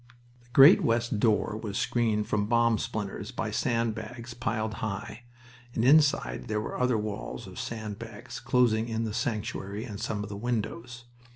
The great west door was screened from bomb splinters by sand bags piled high, and inside there were other walls of sand bags closing in the sanctuary and some of the windows.